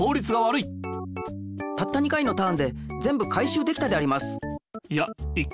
たった２回のターンでぜんぶ回しゅうできたであります。